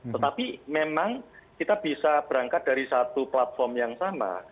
tetapi memang kita bisa berangkat dari satu platform yang sama